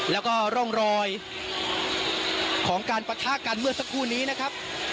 แล้วก็ร่องรอยของการปะทะกันเมื่อสักครู่นี้นะครับ